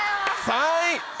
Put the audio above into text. ３位！